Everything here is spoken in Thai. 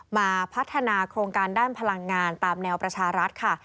มาพัฒนาโครงการด้านพลังงานตามแนวประชารัฐค่ะ